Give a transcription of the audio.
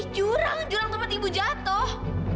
jurang jurang tempat ibu jatuh